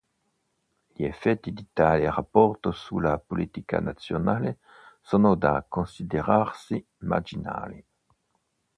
Gli effetti di tale rapporto sulla politica nazionale sono da considerarsi marginali.